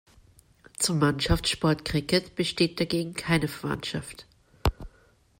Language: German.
Zum Mannschaftssport Cricket besteht dagegen keine Verwandtschaft.